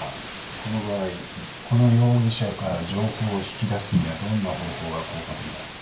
この場合この容疑者から情報を引き出すにはどんな方法が効果的だ？